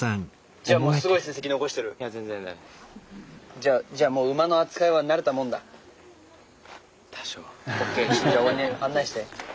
じゃあじゃあもう馬の扱いは慣れたもんだ。ＯＫ。